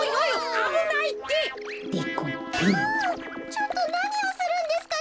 ちょっとなにをするんですか！？